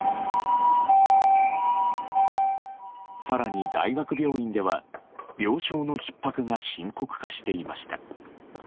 更に大学病院では、病床のひっ迫が深刻化していました。